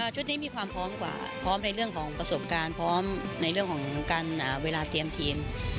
ชุดนี้มีความพร้อมกว่าพร้อมในเรื่องของประสบการณ์พร้อมในเรื่องของการเวลาเตรียมทีม